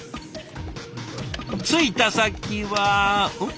着いた先はん？